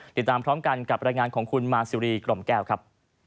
ติดตามพร้อมกันกับรายงานของคุณมาซิรีกล่อมแก้วครับ